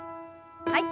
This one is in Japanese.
はい。